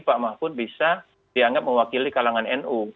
pak mahfud bisa dianggap mewakili kalangan nu